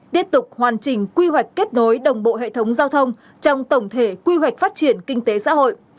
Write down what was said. tiếp tục hoàn chỉnh quy hoạch kết nối đồng bộ hệ thống giao thông trong tổng thể quy hoạch phát triển kinh tế xã hội